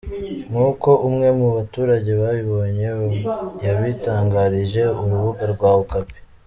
Nk’uko umwe mu baturage babibonye yabitangarije urubuga rwa Okapi.